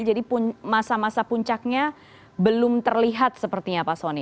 jadi masa masa puncaknya belum terlihat sepertinya pak soni